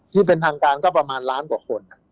ที่เป็นทางการก็ประมาณล้านกว่าคน